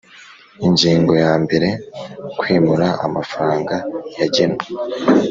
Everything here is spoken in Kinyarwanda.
Ingingo ya mbere Kwimura amafaranga yagenwe